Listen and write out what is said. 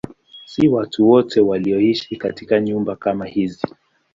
Si watu wote walioishi katika nyumba kama hizi.